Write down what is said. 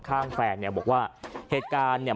ข้างแฟนเนี่ยบอกว่าเหตุการณ์เนี่ย